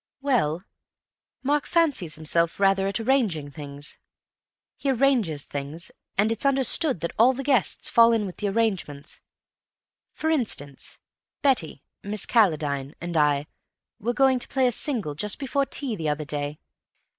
"Well, Mark fancies himself rather at arranging things. He arranges things, and it's understood that the guests fall in with the arrangement. For instance, Betty—Miss Calladine—and I were going to play a single just before tea, the other day.